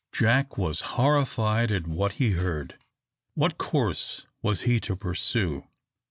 Jack was horrified at what he heard. What course was he to pursue?